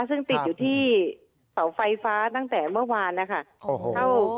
ซึ่งติดอยู่ที่เสาไฟฟ้าตั้งแต่เมื่อวานนะคะ